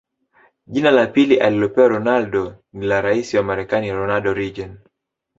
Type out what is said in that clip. Jina la pili alilopewa Ronaldo ni la rais wa Marekani Ronald Reagan